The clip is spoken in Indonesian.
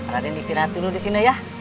raden istirahat dulu di sini ya